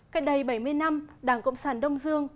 cách đây bảy mươi năm đảng cộng sản đông dương